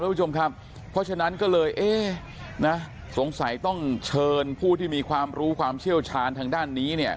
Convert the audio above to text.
เห็นไหมเพราะฉะนั้นก็เลยสงสัยต้องเชิญผู้ที่มีความรู้ความเชี่ยวชาญทางด้านนี้